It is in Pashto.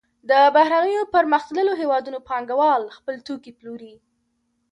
د بهرنیو پرمختللو هېوادونو پانګوال خپل توکي پلوري